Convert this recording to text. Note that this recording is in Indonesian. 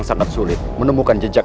tolong atau aku sikap justis